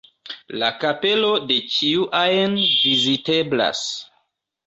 La kapelo de ĉiu ajn viziteblas.